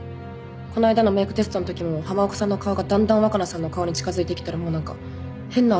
この間のメークテストのときも浜岡さんの顔がだんだん若菜さんの顔に近づいてきたらもう何か変な汗出てきちゃって。